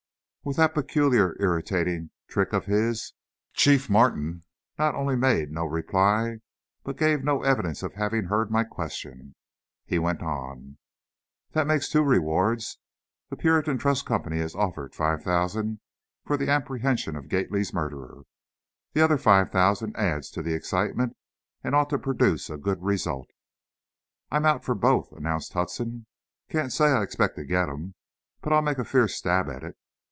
With that peculiarly irritating trick of his, Chief Martin not only made no reply but gave no evidence of having heard my question. He went on: "That makes two rewards. The Puritan Trust Company has offered five thousand for the apprehension of Gately's murderer. This other five thousand adds to the excitement and ought to produce a good result." "I'm out for both," announced Hudson. "Can't say I expect to get 'em, but I'll make a fierce stab at it.